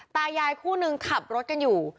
ตายายคู่นึงขับรถกันอยู่